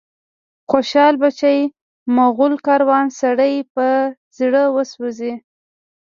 خوشال بچي، مغول کاروان، سړی په زړه وسوځي